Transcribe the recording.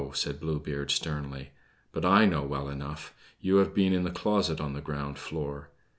said Blue Beard sternly. "But I know well enough. You have been in the closet on the ground floor.